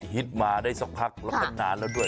ฮิตมาได้สักพักแล้วก็นานแล้วด้วย